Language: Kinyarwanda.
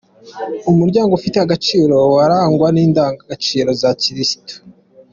Umuryango ufite agaciro warangwa n’indangagaciro za gikirisitu